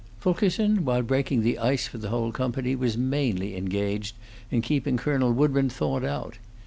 Fulkerson, while breaking the ice for the whole company, was mainly engaged in keeping Colonel Woodburn thawed out.